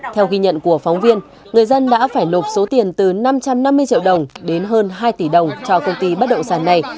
theo ghi nhận của phóng viên người dân đã phải nộp số tiền từ năm trăm năm mươi triệu đồng đến hơn hai tỷ đồng cho công ty bất động sản này